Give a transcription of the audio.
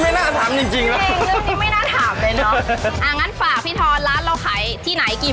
อาจจะมีเงินแค่๑๕บาทไง